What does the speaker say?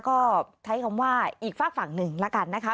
ก็ใช้คำว่าอีกฝากฝั่งหนึ่งแล้วกันนะคะ